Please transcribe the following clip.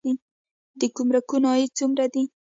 د ګمرکونو عاید څومره دی؟